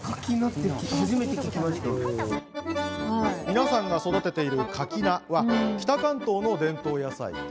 皆さんが育てている、かき菜は北関東の伝統野菜。